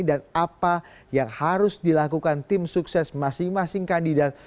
dan apa yang harus dilakukan tim sukses masing masing kandidat